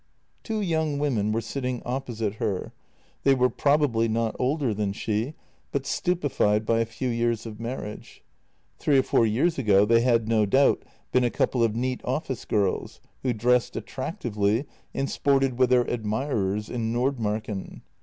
Two young women were sitting opposite her. They were probably not older than she, but stupefied by a few years of marriage. Three or four years ago they had no doubt been a couple of neat office girls, who dressed attractively and sported with their admirers in Nordmarken.